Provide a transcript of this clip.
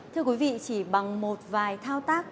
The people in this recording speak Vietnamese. thưa quý vị chỉ bằng một vài thao tác